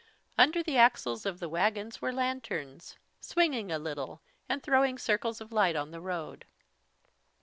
Under the axles of the wagons were lanterns, swinging a little and throwing circles of light on the road.